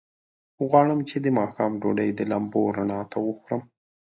غواړم چې د ماښام ډوډۍ د لمبو رڼا ته وخورم.